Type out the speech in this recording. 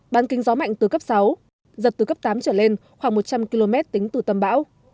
bán kính gió mạnh từ cấp sáu giật từ cấp tám trở lên khoảng một trăm linh km tính từ tâm bão